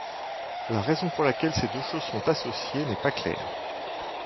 La raison pour laquelle ces deux choses sont associées n'est pas claire.